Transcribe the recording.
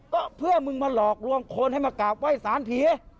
ก็เพื่อมึงมาหลอกลวงคนให้มากราบไหว้สารผี